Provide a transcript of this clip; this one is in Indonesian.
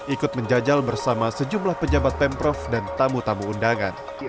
ikut menjajal bersama sejumlah pejabat pemprov dan tamu tamu undangan